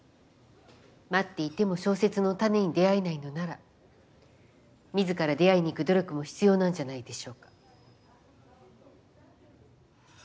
待っていても小説の種に出合えないのなら自ら出合いに行く努力も必要なんじゃないでしょうか。